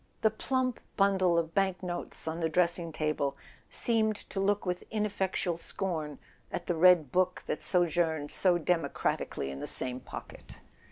The plump bundle of bank notes on the dressing table seemed to look with ineffectual scorn at the red book that sojourned so democratically in the same pocket.